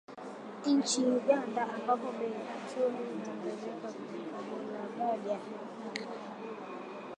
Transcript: Nchini Uganda ambapo bei ya petroli imeongezeka kufikia dola moja